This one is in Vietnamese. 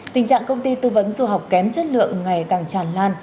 tình trạng công ty tư vấn du học kém chất lượng ngày càng tràn lan